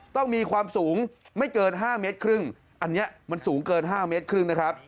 ต้องมีความสูงไม่เกิน๕เมตรครึ่งอันนี้มันสูงเกิน๕เมตรครึ่งนะครับ